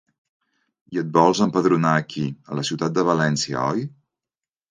I et vols empadronar aquí, a la ciutat de València, oi?